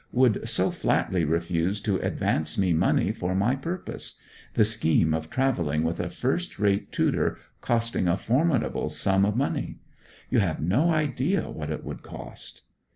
would so flatly refuse to advance me money for my purpose the scheme of travelling with a first rate tutor costing a formidable sum o' money. You have no idea what it would cost!'